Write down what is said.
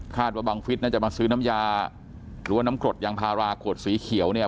ว่าบังฟิศน่าจะมาซื้อน้ำยาหรือว่าน้ำกรดยางพาราขวดสีเขียวเนี่ย